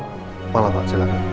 selamat malam pak